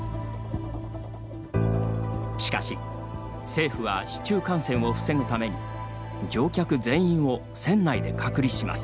しかし、政府は市中感染を防ぐために乗客全員を船内で隔離します。